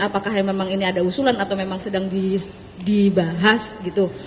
apakah memang ini ada usulan atau memang sedang dibahas gitu